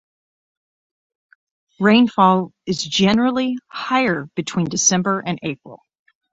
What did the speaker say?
Rainfall is generally higher between December and April.